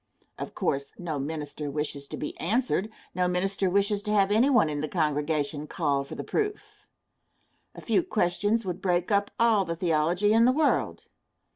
Of course, no minister wishes to be answered; no minister wishes to have anyone in the congregation call for the proof. A few questions would break up all the theology in the world.